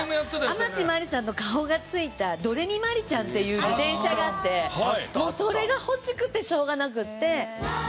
天地真理さんの顔がついたドレミまりちゃんっていう自転車があってもうそれが欲しくてしょうがなくて。